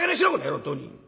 本当に。